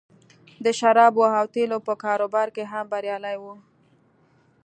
د شرابو او تیلو په کاروبار کې هم بریالی و